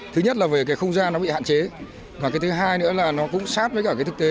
thứ nhất là về không gian bị hạn chế thứ hai nữa là nó cũng sát với thực tế